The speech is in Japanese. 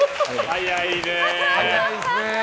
早いね。